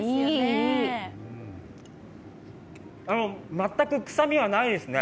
全く臭みはないですね。